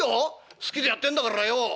好きでやってんだからよ。